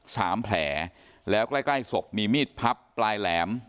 สามแผลแล้วใกล้ใกล้ศพมีมีดพับปลายแหลม